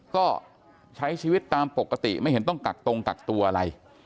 ก็ใช้ชีวิตตามปกติไม่เห็นต้องกักตรงกักตัวอะไร